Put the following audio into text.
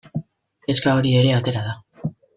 Kezka hori ere atera da.